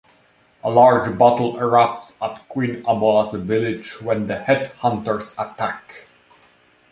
A large battle erupts at Queen Amoa's village when the headhunters attack.